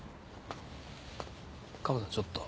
カモさんちょっと。